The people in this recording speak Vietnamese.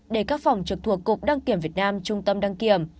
để các phòng trực thuộc cục đăng kiểm việt nam trung tâm đăng kiểm